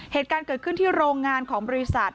เหตุการณ์เกิดขึ้นที่โรงงานของบริษัท